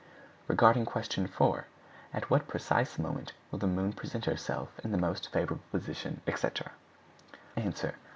Regarding question four, "At what precise moment will the moon present herself in the most favorable position, etc.?" _Answer.